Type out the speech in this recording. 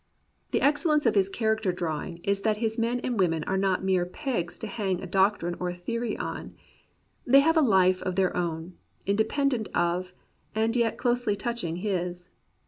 The excellence of his character drawing is that his men and women are not mere i>egs to hang a doctrine or a theory on. They have a life of their own, independent of, and yet closely touching his.